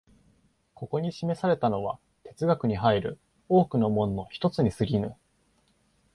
ここに示されたのは哲学に入る多くの門の一つに過ぎぬ。